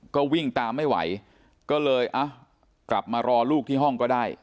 ก็วิ่งตามไม่ไหวก็เลยอ่ะกลับมารอลูกที่ห้องก็ได้